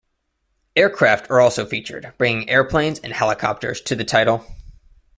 Aircraft are also featured, bringing airplanes and helicopters to the title.